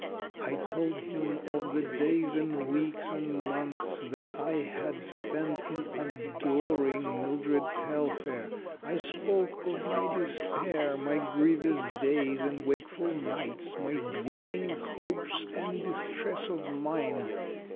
I told him of the days and weeks and months that I had spent in adoring Mildred Telfair. I spoke of my despair, my grievous days and wakeful nights, my dwindling hopes and distress of mind.